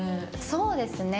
そうですね。